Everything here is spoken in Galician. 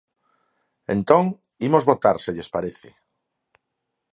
Entón, imos votar, se lles parece.